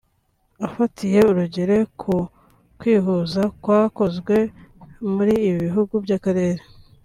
Afatiye urugero ku kwihuza kwakozwe muri ibi bihugu by’akarere